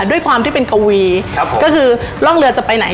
ด้วยความที่เป็นกวีครับผมก็คือร่องเรือจะไปไหน